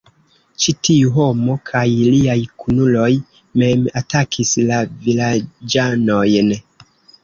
Ĉi tiu homo kaj liaj kunuloj mem atakis la vilaĝanojn.